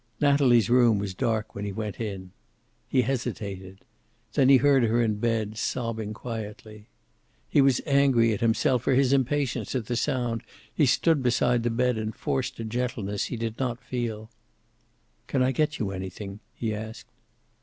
Natalie's room was dark when he went in. He hesitated. Then he heard her in bed, sobbing quietly. He was angry at himself for his impatience at the sound. He stood beside the bed, and forced a gentleness he did not feel. "Can I get you anything?" he asked.